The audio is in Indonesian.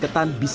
oke pak wilt